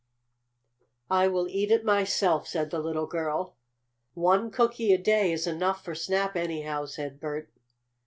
"I will eat it myself," said the little girl. "One cookie a day is enough for Snap, anyhow," said Bert.